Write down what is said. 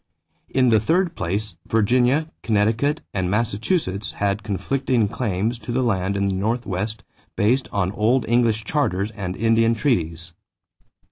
In the third place, Virginia, Connecticut, and Massachusetts had conflicting claims to the land in the Northwest based on old English charters and Indian treaties.